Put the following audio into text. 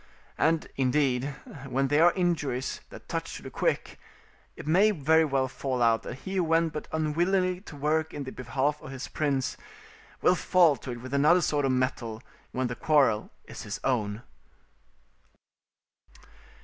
And, indeed, when they are injuries that touch to the quick, it may very well fall out that he who went but unwillingly to work in the behalf of his prince will fall to't with another sort of mettle when the quarrel is his own.